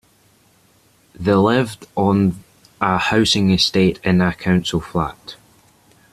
The lived on a housing estate, in a council flat